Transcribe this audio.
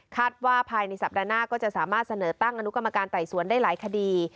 ว่าภายในสัปดาห์หน้าก็จะสามารถเสนอตั้งอนุกรรมการไต่สวนได้หลายคดี